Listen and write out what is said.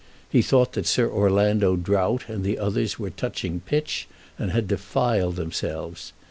He thought that Sir Orlando Drought and the others were touching pitch and had defiled themselves.